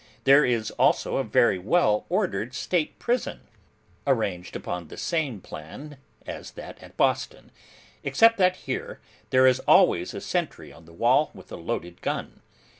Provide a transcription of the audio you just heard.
There is also a very well ordered State prison, arranged upon the same plan as that at Boston, except that here, there is always a sentry on the wall with a loaded gun.